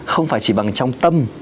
không phải chỉ bằng trong tâm